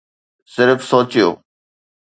صرف سوچيو.